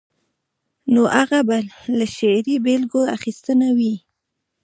نو هغه به له شعري بېلګو اخیستنه وي.